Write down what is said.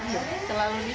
selalu bikin nih